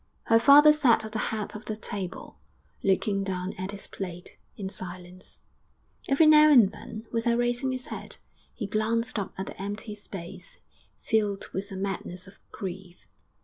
Her father sat at the head of the table, looking down at his plate, in silence; every now and then, without raising his head, he glanced up at the empty space, filled with a madness of grief....